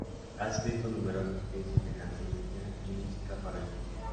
Ha escrito numerosas piezas de canción ligera y música para el cine.